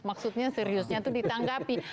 maksudnya seriusnya itu ditanggapi